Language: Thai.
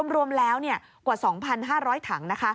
รวมแล้วกว่า๒๕๐๐ถัง